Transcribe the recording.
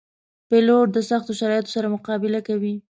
پیلوټ د سختو شرایطو سره مقابله کوي.